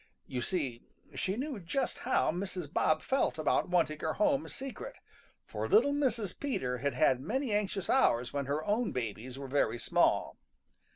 You see, she knew just how Mrs. Bob felt about wanting her home a secret, for little Mrs. Peter had had many anxious hours when her own babies were very small.